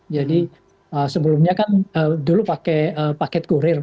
jadi sebelumnya kan dulu pakai paket kurir